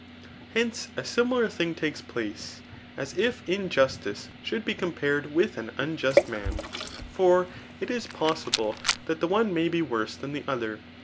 Hence^ a similar thing takes place, as if injustice should be compared with an unjust man ; for it is possible that the one onay be worse Aan the other.